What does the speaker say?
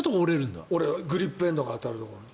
グリップエンドが当たるところに。